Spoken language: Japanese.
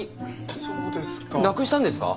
そうですか。